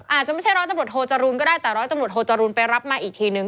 อาจจะไม่ใช่ร้อยตำรวจโทจรูนก็ได้แต่ร้อยตำรวจโทจรูลไปรับมาอีกทีนึง